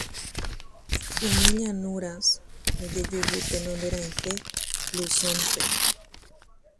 Los llanuras primeramente se encuentra en Luzón.